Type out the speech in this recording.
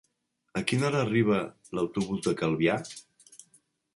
A quina hora arriba l'autobús de Calvià?